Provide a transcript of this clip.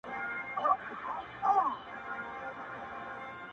د دوست دوست او د کافر دښمن دښمن یو!!